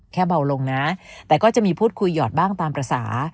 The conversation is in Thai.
เบาลงนะแต่ก็จะมีพูดคุยหยอดบ้างตามภาษา